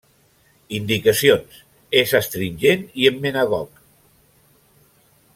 Indicacions: és astringent i emmenagog.